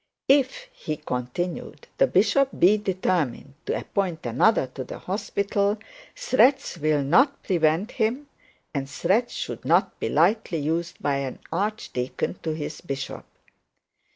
'If,' he continued, 'the bishop is determined to appoint another to the hospital, threats will not prevent him, and threats should not be lightly used by an archdeacon to his bishop.